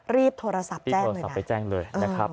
รีบโทรศัพท์แจ้งเลยนะรีบโทรศัพท์ไปแจ้งเลยนะครับ